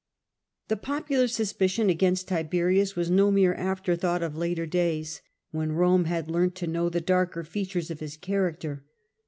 The popular suspicion against Tiberius was no mere after thought of later days, when Rome had learnt to know the darker features of his character.